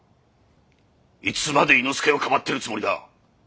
いつまで猪之助をかばってるつもりだ？